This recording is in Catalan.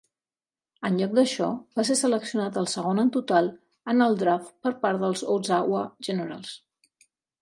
En lloc d'això, va ser seleccionat el segon en total en el draft per part dels Oshawa Generals.